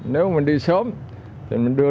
nếu mình đi sớm thì mình đưa